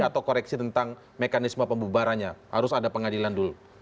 atau koreksi tentang mekanisme pembubarannya harus ada pengadilan dulu